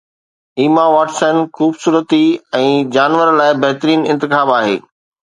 ايما واٽسسن خوبصورتي ۽ جانور لاءِ بهترين انتخاب آهي